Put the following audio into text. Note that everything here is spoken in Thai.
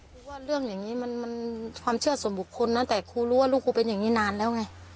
รู้ว่าเรื่องอย่างนี้มันความเชื่อส่วนบุคคลนะแต่ครูรู้ว่าลูกครูเป็นอย่างนี้นานแล้วไง